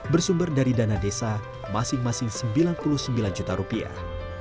bersumber dari dana desa masing masing sembilan puluh sembilan juta rupiah